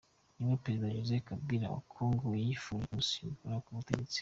Ni we Perezida Joseph Kabila wa Kongo yifuza ko yamusimbura ku butegetsi.